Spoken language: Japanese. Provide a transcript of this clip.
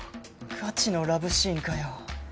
ガチのラブシーンかよ